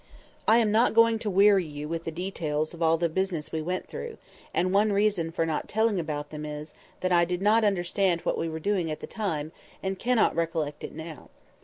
I am not going to weary you with the details of all the business we went through; and one reason for not telling about them is, that I did not understand what we were doing at the time, and cannot recollect it now.